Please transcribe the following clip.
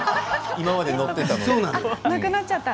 今まで乗っていたのが。